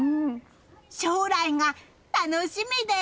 将来が楽しみです！